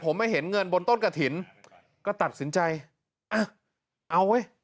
ผมมาเห็นเงินบนต้นกระถิ่นก็ตัดสินใจอ่ะเอาเว้ย